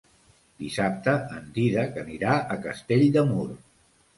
Dissabte en Dídac anirà a Castell de Mur.